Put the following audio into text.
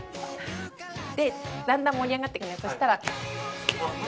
だんだん盛り上がってきてそうしたら。